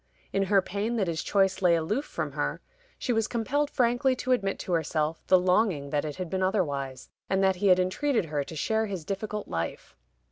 In her pain that his choice lay aloof from her, she was compelled frankly to admit to herself the longing that it had been otherwise, and that he had entreated her to share his difficult life.